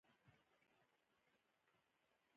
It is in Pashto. هسې خو خلک نه دي پرې مین، څه خوږوالی خو خوامخا لري.